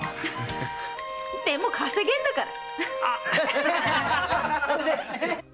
でも稼げるんだから！